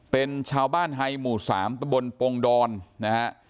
เป็นชาวบ้านไฮหมู่สามตบลโปรงดรนะฮะ